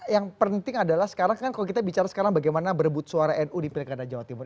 yang penting adalah sekarang kan kalau kita bicara sekarang bagaimana berebut suara nu di pilkada jawa timur